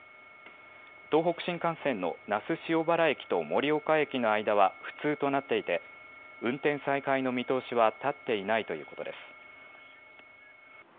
東北新幹線の那須塩原駅と盛岡駅の間は不通となっていて運転再開の見通しは立っていないということです。